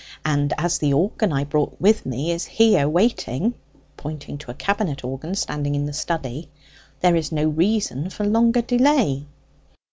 And as the organ I brought with me is here waiting" (pointing to a cabinet organ standing in the study), "there is no reason for longer delay."